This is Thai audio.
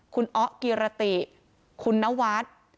คุณอ๊อกิรติคุณนวัส